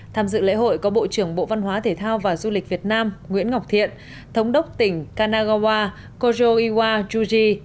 tham dự lễ hội có bộ trưởng bộ văn hóa thể thao và du lịch việt nam nguyễn ngọc thiện thống đốc tỉnh kanagawa kojo iwa juji